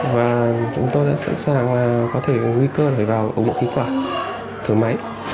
và chúng tôi đã sẵn sàng là có thể có nguy cơ phải vào ống bộ khí quả thở máy